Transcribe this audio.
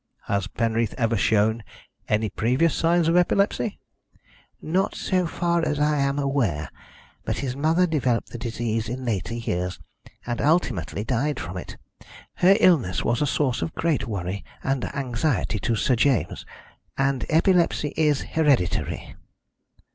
"Has Penreath ever shown any previous signs of epilepsy?" "Not so far as I am aware, but his mother developed the disease in later years, and ultimately died from it. Her illness was a source of great worry and anxiety to Sir James. And epilepsy is hereditary."